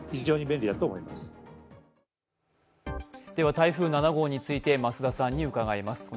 台風７号について増田さんに伺います。